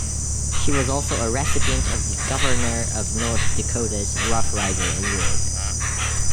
She was also a recipient of the governor of North Dakota's Roughrider Award.